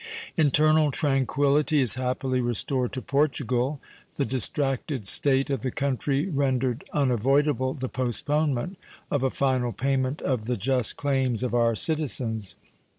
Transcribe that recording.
Internal tranquillity is happily restored to Portugal. The distracted state of the country rendered unavoidable the postponement of a final payment of the just claims of our citizens.